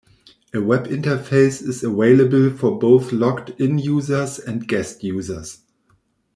A web interface is available for both logged in users and guest users.